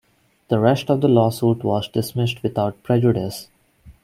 The rest of the lawsuit was dismissed without prejudice.